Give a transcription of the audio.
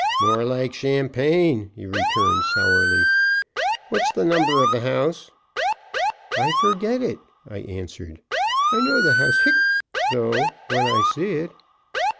"More like champagne," he returned, sourly. "What's the number of the house?" "I forget it," I answered, "I know the house (hic), though, when I see it."